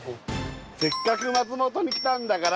「せっかく松本に来たんだから」